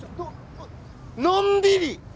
のんびり！